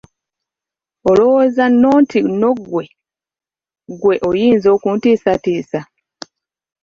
Olowooza nno nti nno ggwe, ggwe oyinza okuntiisatiisa?